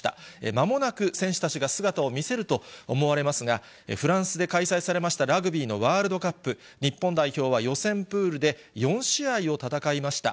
まもなく選手たちが姿を見せると思われますが、フランスで開催されましたラグビーのワールドカップ、日本代表は予選プールで４試合を戦いました。